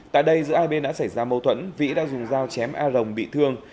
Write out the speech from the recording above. tại đây giữa hai bên đã xảy ra mâu thuẫn vĩ đã dùng dao chém a rồng bị thương